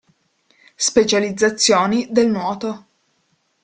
Specializzazioni del nuoto.